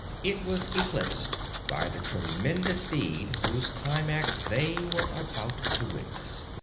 It was eclipsed by the tremendous deed whose climax they were about to witness.